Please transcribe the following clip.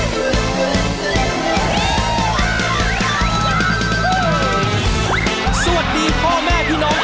สวัสดีพ่อแม่พี่น้อง